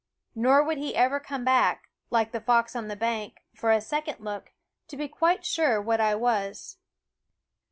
Nor would he ever come back, like the fox on the bank, for a second look, to be quite sure what I was.